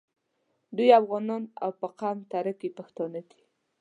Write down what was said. دوی افغانان او په قوم تره کي پښتانه دي.